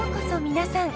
皆さん。